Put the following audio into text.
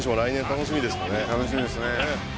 「楽しみですね」